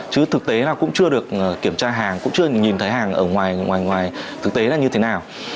chứ thực tế là cũng chưa được kiểm tra hàng cũng chưa nhìn thấy hàng ở ngoài ngoài thực tế là như thế nào